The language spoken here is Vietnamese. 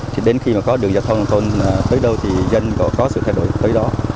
thì đến khi mà có đường giao thông nông thôn tới đâu thì dân có sự thay đổi tới đó